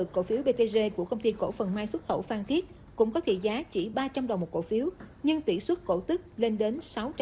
mai xuất khẩu phan thiết cũng có thị giá chỉ ba trăm linh đồng một cổ phiếu nhưng tỷ suất cổ tức lên đến sáu trăm sáu mươi bảy